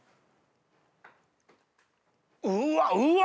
うわうわ！